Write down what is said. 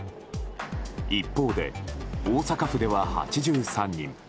一方で、大阪府では８３人。